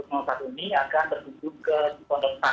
tidak ada tidak begitu berbeda dengan